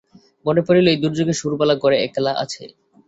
মনে পড়িল, এই দুর্যোগে সুরবালা ঘরে একলা আছে।